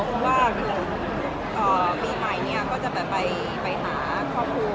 เพราะว่ามีใหม่ก็จะไปหาครอบครัว